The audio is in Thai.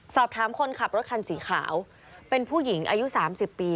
คนขับรถคันสีขาวเป็นผู้หญิงอายุ๓๐ปี